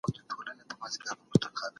ملکیت د انسان شخصي حق دی.